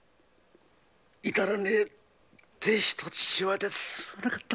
至らねぇ亭主と父親ですまなかった。